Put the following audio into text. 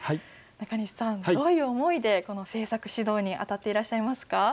中西さん、どういう思いでこの制作指導に当たっていらっしゃいますか？